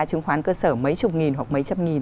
chứng khoán cơ sở mấy chục nghìn hoặc mấy trăm nghìn